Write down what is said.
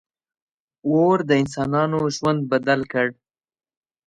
• اور د انسانانو ژوند بدل کړ.